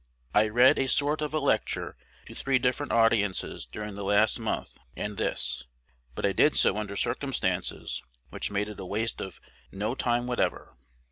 I read a sort of a lecture to three different audiences during the last month and this; but I did so under circumstances which made it a waste of no time whatever."